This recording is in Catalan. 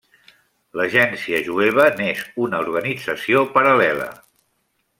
L'Agència Jueva n'és una organització paral·lela.